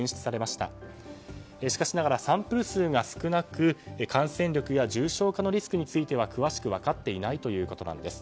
しかしながらサンプル数が少なく感染力や重症化のリスクについては詳しく分かっていないということなんです。